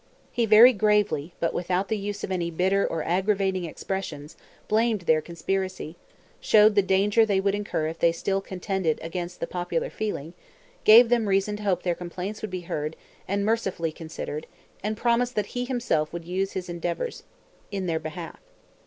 He very gravely, but without the use of any bitter or aggravating expressions, blamed their conspiracy, showed the danger they would incur if they still contended against the popular feeling, gave them reason to hope their complaints would be heard and mercifully considered, and promised that he himself would use his endeavors in their behalf.